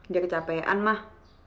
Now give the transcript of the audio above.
dia kecapean mah